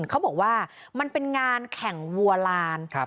เขาบอกว่ามันเป็นงานแข่งวัวลาน